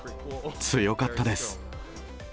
強かったです。